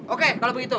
oke kalau begitu